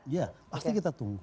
iya pasti kita tunggu